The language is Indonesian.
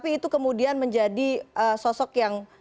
tapi itu kemudian menjadi sosok yang